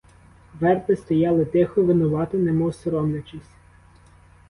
Верби стояли тихо, винувато, немов соромлячись.